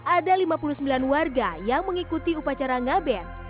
ada lima puluh sembilan warga yang mengikuti upacara ngaben